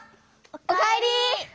おかえり。